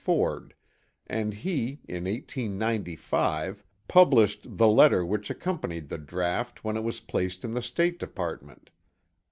Ford and he in 1895 published the letter which accompanied the draught when it was placed in the State Department.